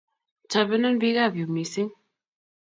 Tobenon piik ap yu missing'